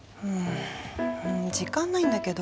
うん時間ないんだけど。